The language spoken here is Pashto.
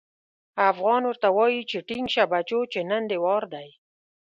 افغان ورته وايي چې ټينګ شه بچو چې نن دې وار دی.